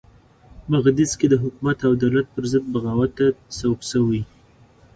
بغدیس کې د حکومت او دولت پرضد بغاوت ته سوق شوي.